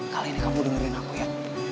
kali ini kamu dengerin aku ya